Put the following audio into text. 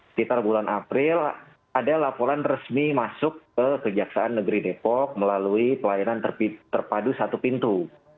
sekitar bulan april ada laporan resmi masuk ke kejaksaan negeri depok melalui pelayanan terpadu satu pintu